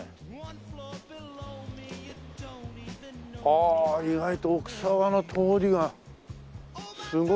ああ意外と奥沢の通りがすごい。